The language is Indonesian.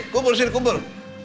kumpul sini kumpul